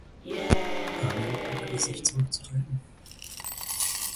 Parnell weigerte sich zurückzutreten.